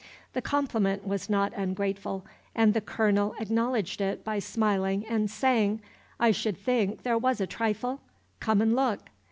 The compliment was not ungrateful, and the Colonel acknowledged it by smiling and saying, "I should think the' was a trifle? Come and look."